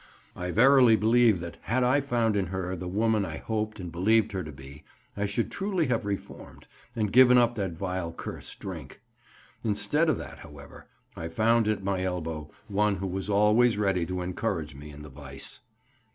I verily believe that, had I found in her the woman I hoped and believed her to be, I should truly have reformed, and given up that vile curse, drink. Instead of that, however, I found at my elbow one who was always ready to encourage me in the vice.